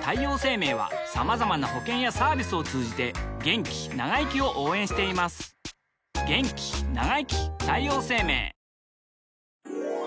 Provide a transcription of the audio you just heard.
太陽生命はまざまな保険やサービスを通じて気長生きを応援していますお天気です。